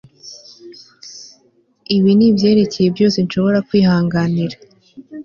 ibi nibyerekeye byose nshobora kwihanganira